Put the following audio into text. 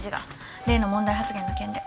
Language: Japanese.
例の問題発言の件で。